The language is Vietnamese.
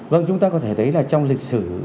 vâng chúng ta có thể thấy là trong lịch sử